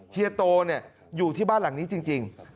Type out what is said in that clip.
เฮียโตอยู่ที่บ้านหลังนี้จริง